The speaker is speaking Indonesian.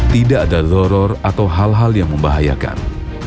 tidak ada zor atau hal hal yang membahayakan